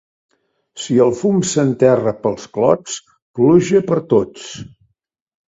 Si el fum s'enterra pels clots, pluja per tots.